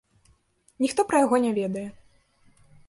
Ніхто пра яго не ведае.